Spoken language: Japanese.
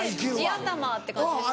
地頭って感じですよね。